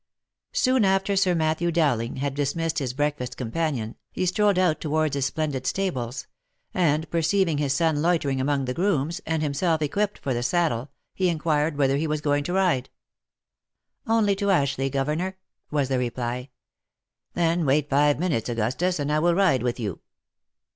Soon after Sir Matthew Dowling had dismissed his breakfast com panion, he strolled out towards his splendid stables, and perceiving his son loitering among the grooms, and himself equipped for the saddle, he inquired whither he was going to ride. " Only to Ashleigh, governor," was the reply. " Then wait five minutes, Augustus, and I will ride with you."